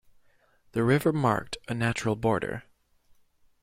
The river marked a natural border.